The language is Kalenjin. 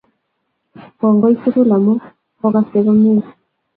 Kongoi tugul amu kogaste komie